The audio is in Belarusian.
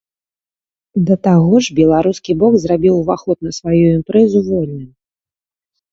Да таго ж беларускі бок зрабіў ўваход на сваю імпрэзу вольным.